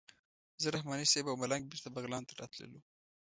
زه رحماني صیب او ملنګ بېرته بغلان ته راتللو.